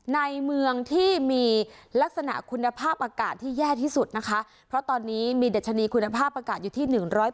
ในเมืองที่มีลักษณะคุณภาพอากาศที่แย่ที่สุดนะคะเพราะตอนนี้มีดัชนีคุณภาพอากาศอยู่ที่๑๘